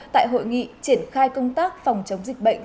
tại hội nghị triển khai công tác phòng chống dịch bệnh